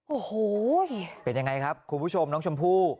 โอ้โหเป็นยังไงครับคุณผู้ชมน้องชมพู่